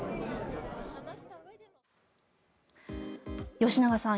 吉永さん